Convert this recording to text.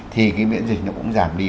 thì cái miễn dịch nó cũng giảm đi